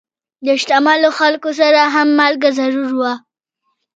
د شتمنو خلکو سره هم مالګه ضرور وه.